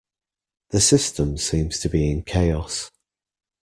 The system seems to be in chaos.